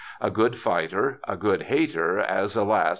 A good fighter, a good hater, as alas